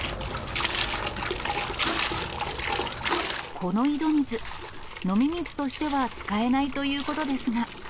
この井戸水、飲み水としては使えないということですが。